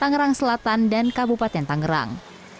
tangerang selatan dan kabupaten tangerang